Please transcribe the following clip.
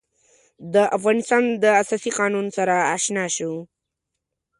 د افغانستان د اساسي قانون سره آشنا شو.